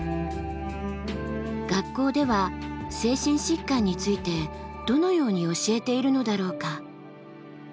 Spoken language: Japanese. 学校では精神疾患についてどのように教えているのだろうか。